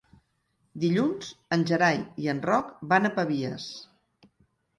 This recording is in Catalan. Dilluns en Gerai i en Roc van a Pavies.